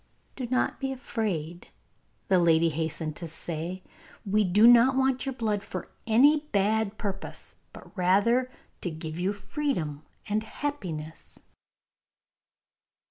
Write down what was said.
'Do not be afraid!' the lady hastened to say; 'we do not want your blood for any bad purpose, but rather to give you freedom and happiness.